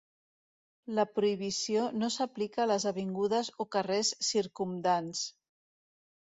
La prohibició no s'aplica a les avingudes o carrers circumdants.